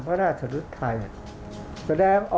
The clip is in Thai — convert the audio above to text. ภาคอีสานแห้งแรง